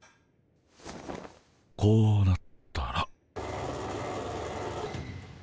こうなったら。